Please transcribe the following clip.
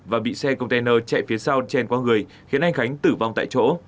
và bị xe container chạy phía sau chen qua người khiến anh khánh tử vong tại chỗ